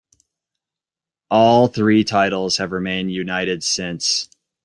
All three titles have remained united since.